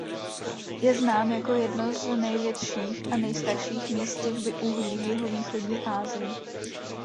Je znám jako jedno z největších a nejstarších míst těžby uhlí v jihovýchodní Asii.